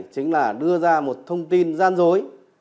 chính là đưa ra một thông tin gian dối